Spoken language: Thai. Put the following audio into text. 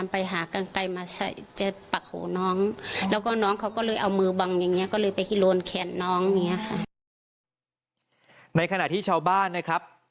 ไปฮิโรนแขนน้องเนี้ยค่ะในขณะที่ชาวบ้านนะครับ